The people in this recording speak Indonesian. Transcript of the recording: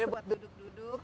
jadi buat duduk duduk